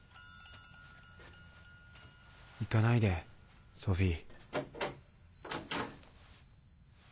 行かないでソフィー。